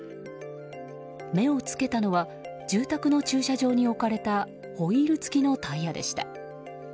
目をつけたのは住宅の駐車場に置かれたホイール付きのタイヤでした。